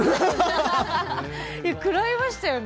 くらいましたよね。